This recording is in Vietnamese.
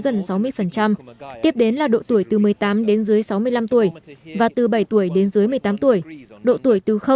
gần sáu mươi tiếp đến là độ tuổi từ một mươi tám đến dưới sáu mươi năm tuổi và từ bảy tuổi đến dưới một mươi tám tuổi độ tuổi từ